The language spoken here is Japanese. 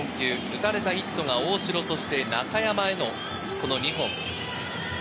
打たれたヒットは大城と中山への２本。